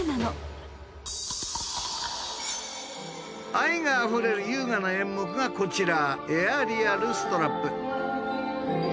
愛があふれる優雅な演目がこちら。